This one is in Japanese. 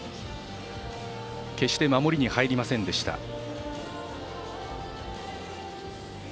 決して守りに入りませんでした。